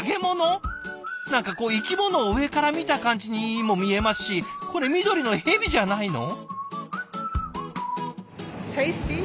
何かこう生き物を上から見た感じにも見えますしこれ緑のヘビじゃないの？